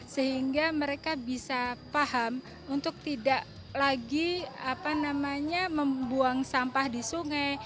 sehingga mereka bisa paham untuk tidak lagi membuang sampah di sungai